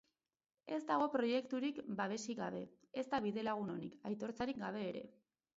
Ez dago proiekturik babesik gabe, ezta bidelagun onik, aitortzarik gabe ere.